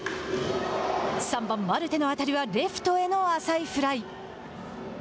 ３番マルテの当たりはレフトへの浅いフライ。